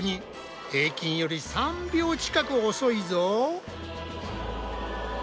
平均より３秒近く遅いぞ。